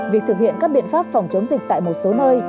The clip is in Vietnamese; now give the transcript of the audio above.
việc thực hiện các biện pháp phòng chống dịch tại một số nơi